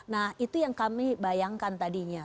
nah itu yang kami bayangkan tadinya